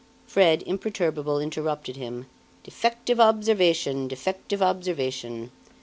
Fred, imperturbable, interrupted him: "Defective observation defective observation!